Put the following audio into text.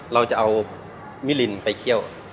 เราจะเอามิลินไปเคี่ยว